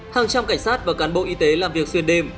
hàng trăm cảnh sát và cán bộ y tế làm việc xuyên đêm